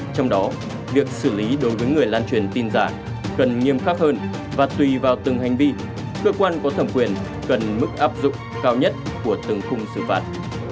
trong đó việc xử lý đối với người lan truyền tin giả cần nghiêm khắc hơn và tùy vào từng hành vi cơ quan có thẩm quyền cần mức áp dụng cao nhất của từng khung xử phạt